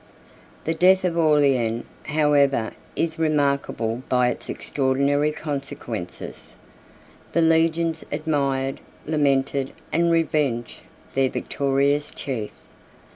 The death of Aurelian, however, is remarkable by its extraordinary consequences. The legions admired, lamented, and revenged their victorious chief.